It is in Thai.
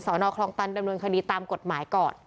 นอคลองตันดำเนินคดีตามกฎหมายก่อน